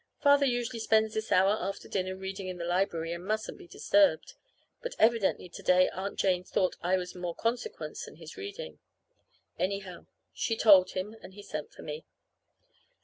Father usually spends his hour after dinner reading in the library and mustn't be disturbed. But evidently to day Aunt Jane thought I was more consequence than his reading. Anyhow, she told him, and he sent for me.